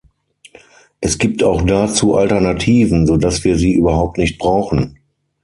Es gibt auch dazu Alternativen, so dass wir sie überhaupt nicht brauchen.